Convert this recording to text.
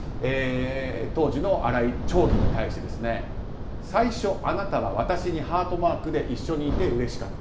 当時の新井町議に対し最初、あなたは私にハートマークで一緒にいて、うれしかった。